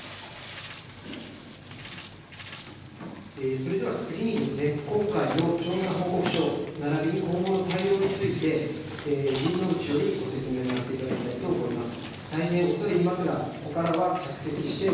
それでは次に今回の調査報告書並びに今後の対応について陣内よりご説明したいと思います。